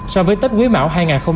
so với tết quý mão hai nghìn hai mươi ba